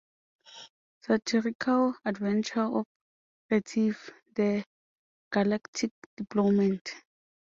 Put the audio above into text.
Satirical adventures of Retief, the galactic diplomat.